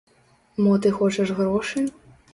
Мо ты хочаш грошы?